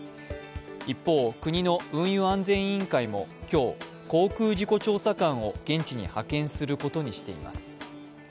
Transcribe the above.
一方、国の運輸安全委員会も今日、航空事故調査官を現地に派遣することにしています。